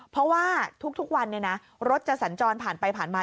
เพราะว่าทุกวันรถจะสัญจรผ่านไปผ่านมา